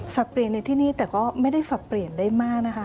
เปลี่ยนในที่นี่แต่ก็ไม่ได้สับเปลี่ยนได้มากนะคะ